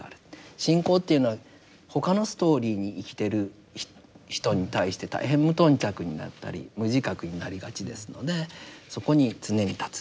信仰というのは他のストーリーに生きてる人に対して大変無頓着になったり無自覚になりがちですのでそこに常に立つ。